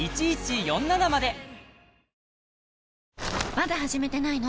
まだ始めてないの？